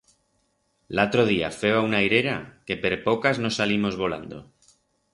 L'atro día feba una airera que per pocas no salimos volando.